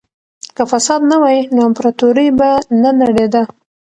که فساد نه وای نو امپراطورۍ به نه نړېده.